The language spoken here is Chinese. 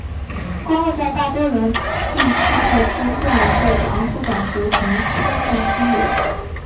公路在大多伦多地区内分两段设长短途行车线分流。